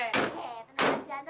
eh tenang aja